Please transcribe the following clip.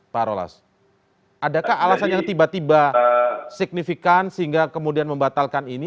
pak rolas adakah alasan yang tiba tiba signifikan sehingga kemudian membatalkan ini